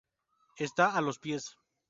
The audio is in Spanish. Está a los pies.